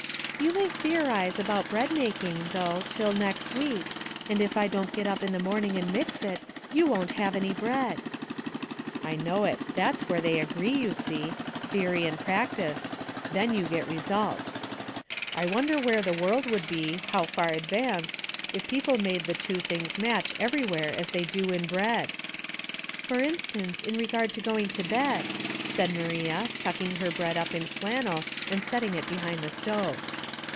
" You may theorize about bread making, though, till next week, and if I don't get up in the morning and mix it you won't have any bread." " I know it. That's where they agree, you see. Theory and practice — then you get re sults. I wonder where the world would be, how far advanced, if people made the two things match everywhere as they do in bread ?"" For instance, in regard to going to bed," said Maria, tucking her bread up in flannel and setting it behind the stove.